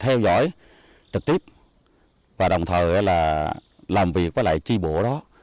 theo dõi trực tiếp và đồng thời là làm việc với lại chi bộ đó